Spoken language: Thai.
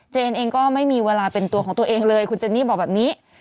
เองก็ไม่มีเวลาเป็นตัวของตัวเองเลยคุณเจนนี่บอกแบบนี้